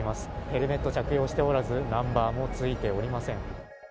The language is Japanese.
ヘルメット着用しておらず、ナンバーもついておりません。